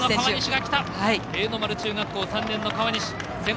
永犬丸中学校、３年生の川西。